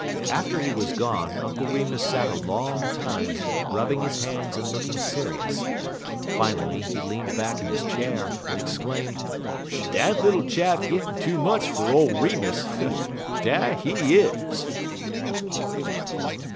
After he was gone, Uncle Remus sat a long time rubbing his hands and looking serious. Finally he leaned back in his chair, and exclaimed: "Dat little chap gittin' too much fer ole Remus dat he is!"